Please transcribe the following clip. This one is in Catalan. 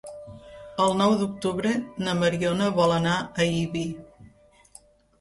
El nou d'octubre na Mariona vol anar a Ibi.